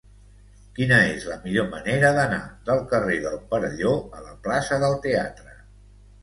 Quina és la millor manera d'anar del carrer del Perelló a la plaça del Teatre?